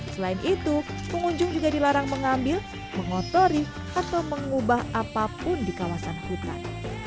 selain itu pengunjung juga dilarang mengambil mengotori atau mengubah apapun di kawasan hutan